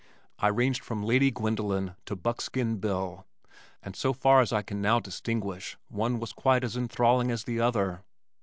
I ranged from Lady Gwendolin to Buckskin Bill and so far as I can now distinguish one was quite as enthralling as the other.